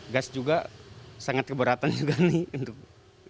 gas juga sangat keberatan juga nih